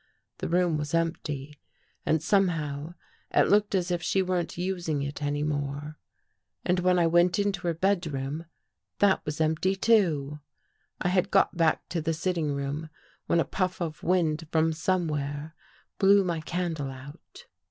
The room was empty and somehow, it looked as if she weren't using it any more. And when I went into her bedroom, that was empty, too. I had got back to the sitting room, when a puff of wind from somewhere blew my candle out.